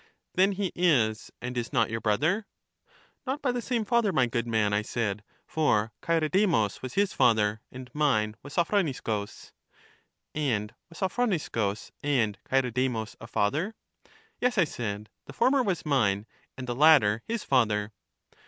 Then he is and is not your brother. Not by the same father, my good man, I said, for Chaeredemus was his father, and mine was Sophro niscus. And was Sophroniscus and Chaeredemus a father? Yes, I said; the former was mine, and the latter his father.